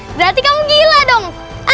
berarti kamu gila dong